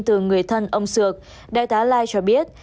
từ người thân ông sược đại tá lai cho biết